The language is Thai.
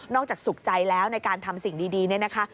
อกจากสุขใจแล้วในการทำสิ่งดีเนี่ยนะคะ